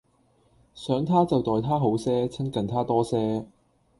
想他就待他好些，親近他多些